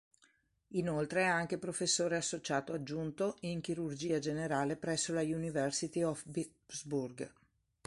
Inoltre è anche professore associato aggiunto in Chirurgia Generale presso la University of Pittsburgh.